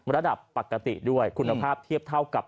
ระดับปกติด้วยคุณภาพเทียบเท่ากับ